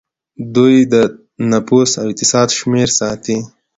دوی د نفوس او اقتصاد شمیرې ساتي.